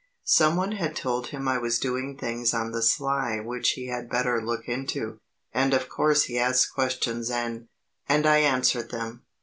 Someone had told him I was doing things on the sly which he had better look into; and of course he asked questions and and I answered them.